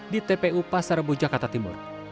di tpu pasar rebo jakarta timur